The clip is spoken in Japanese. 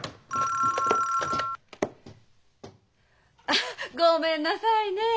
☎あっごめんなさいね。